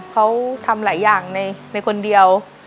เขาทำหลายอย่างในคนเดียว